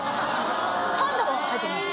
パンダも入ってます。